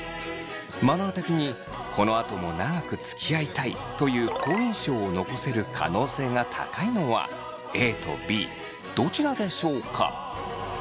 マナー的にこのあとも長くつきあいたいという好印象を残せる可能性が高いのはＡとＢどちらでしょうか？